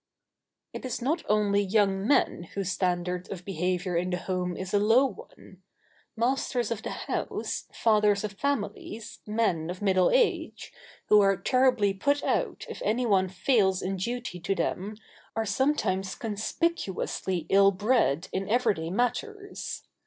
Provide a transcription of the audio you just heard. It is not only young men whose standard of behaviour in the home is a low one. Masters of the [Sidenote: "Young" men not alone culpable.] house, fathers of families, men of middle age, who are terribly put out if any one fails in duty to them, are sometimes conspicuously ill bred in everyday matters.